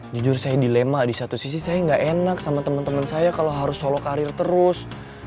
jujur saya dilema di satu sisi saya gak enak sama teman teman saya kalau harus solo karir terus